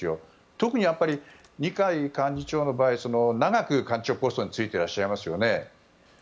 特に、二階幹事長の場合長く幹事長ポストに就いていらっしゃいますよね。